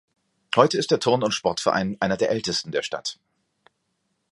Heute ist der Turn- und Sportverein einer der ältesten der Stadt.